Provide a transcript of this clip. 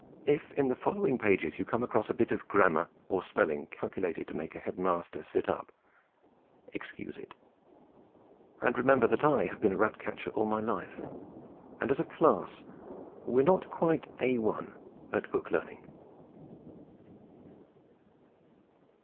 If in the following pages you come across a bit of grammar or spelling calculated to make a Head Master sit up, excuse it, and remember that I have been a rat catcher all my life, and as a class we are not quite A1 at book learning.